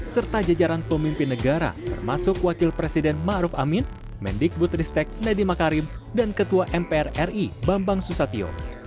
serta jajaran pemimpin negara termasuk wakil presiden ma'ruf amin mendik butristek nedima karim dan ketua mpr ri bambang susatyo